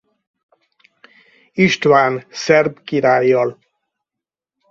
István szerb királlyal.